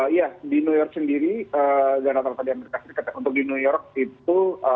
iya di new york sendiri dan atas tadi yang dikasih untuk di new york itu